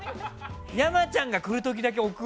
山ちゃんが来る時だけ置く？